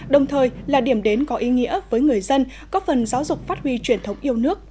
đồng thời là điểm đến có ý nghĩa với người dân có phần giáo dục phát huy truyền thống yêu nước